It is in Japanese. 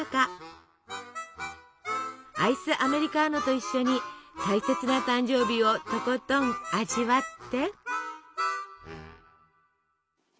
アイスアメリカーノと一緒に大切な誕生日をとことん味わって！